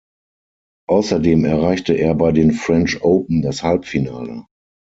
Außerdem erreichte er bei den French Open das Halbfinale.